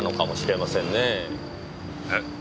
えっ？